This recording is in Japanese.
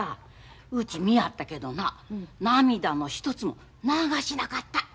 うち見やったけどな涙の一つも流しなかった。